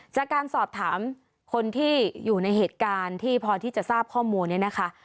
จากการสอบถามคนที่อยู่ในเหตุการณ์ที่พอที่จะทราบข้อมูลนี้นะคะ